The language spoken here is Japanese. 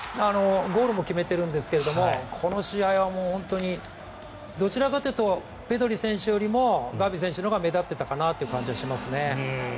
ゴールも決めてるんですがこの試合はどちらかというとペドリ選手よりもガビ選手のほうが目立っていたかなという感じはしますね。